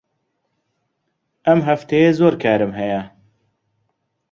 ئەم هەفتەیە زۆر کارم هەیە.